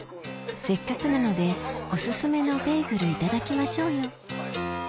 せっかくなのでおすすめのベーグルいただきましょうよ